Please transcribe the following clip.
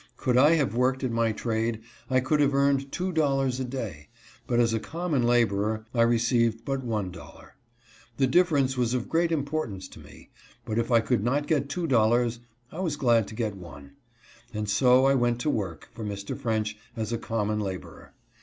Could I have worked at my trade I could have earned two dollars a day, but as a common laborer I received but one dollar. The difference was of great im portance to me, but if I could not get two dollars I was glad to get one ; and so I went to work for Mr. French as a common laborer.